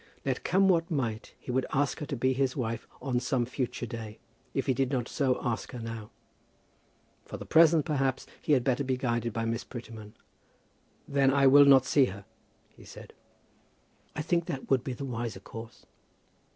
Let come what might he would ask her to be his wife on some future day, if he did not so ask her now. For the present, perhaps, he had better be guided by Miss Prettyman. "Then I will not see her," he said. "I think that will be the wiser course."